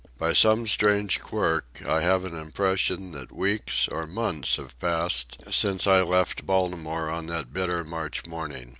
By some strange quirk, I have an impression that weeks, or months, have passed since I left Baltimore on that bitter March morning.